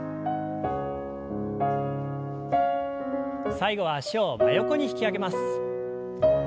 最後は脚を真横に引き上げます。